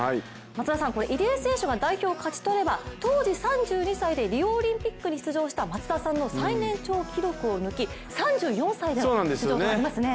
松田さん、入江選手が代表を勝ち取れば、当時３２歳でリオオリンピックに出場した松田さんの最年長記録を抜き３４歳で出場となりますね。